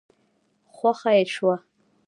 خوښه يې شوه.